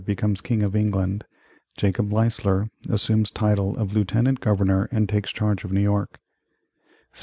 becomes King of England Jacob Leisler assumes title of Lieutenant Governor and takes charge of New York 1691.